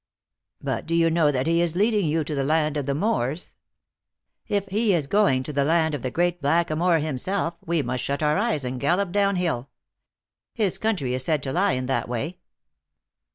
" But do you know that he is leading you to the land of the Moors?" " If he is going to the land of the great Black a moor himself, we must shut our eyes and gallop down hill. His country is said to lie in that way."